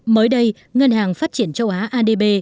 mới đây ngân hàng phát triển châu á adb